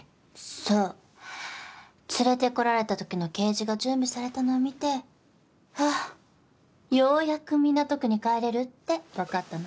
そう連れてこられた時のケージが準備されたのを見て「あぁようやく港区に帰れる」って分かったの。